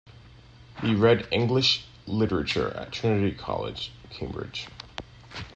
He read English Literature at Trinity College, Cambridge.